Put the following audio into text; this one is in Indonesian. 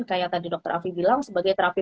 kayak tadi dokter afi bilang sebagai terapi